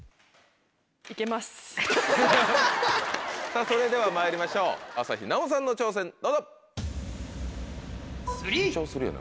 さぁそれではまいりましょう朝日奈央さんの挑戦どうぞ！